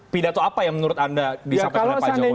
pidato apa yang menurut anda disampaikan oleh pak jokowi